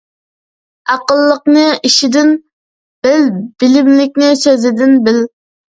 ئەقىللىقنى ئىشىدىن بىل، بىلىملىكنى سۆزىدىن بىل.